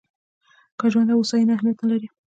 که ژوند او هوساینه اهمیت نه لري.